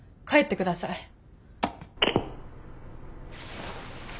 帰ってください！